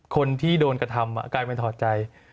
คนที่โดนกระทำกลายเป็นถอดใจ